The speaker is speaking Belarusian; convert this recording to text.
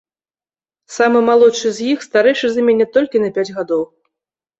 Самы малодшы з іх старэйшы за мяне толькі на пяць гадоў.